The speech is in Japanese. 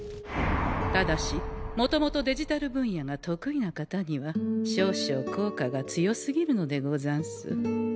ただしもともとデジタル分野が得意な方には少々効果が強すぎるのでござんす。